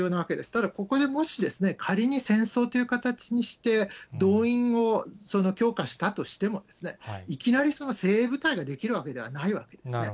ただ、ここでもし仮に戦争という形にして動員を強化したとしても、いきなり精鋭部隊ができるわけではないわけですね。